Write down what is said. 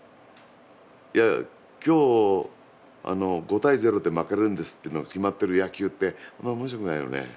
いや今日５対０で負けるんですってのが決まってる野球ってあんまり面白くないよね。